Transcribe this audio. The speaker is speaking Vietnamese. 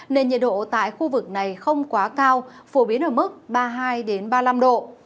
nên nhiệt độ tại khu vực này không quá cao phổ biến ở mức ba mươi hai ba mươi năm độ